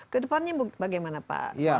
ke depannya bagaimana pak